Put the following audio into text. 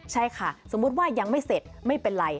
ใช่ค่ะสมมุติว่ายังไม่เสร็จไม่เป็นไร